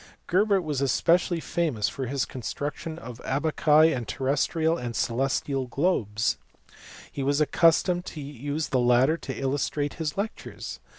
Gerbert was especially famous for his construction of abaci and of terrestrial and celestial globes ; he was accustomed to use the latter to illustrate his lectures.